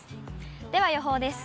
では予報です。